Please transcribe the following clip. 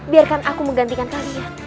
biarkan aku menggantikan kalian